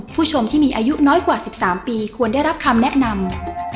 ผู้ชมที่มีอายุน้อยกว่า๑๓ปีควรได้รับคำแนะนำ